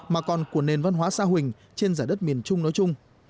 mà còn của nền văn hóa sa huỳnh trên giải đất miền trung nói chung